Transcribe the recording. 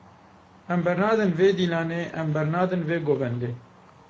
Em bernadin vê dîlanê, em bernadin vê govendê.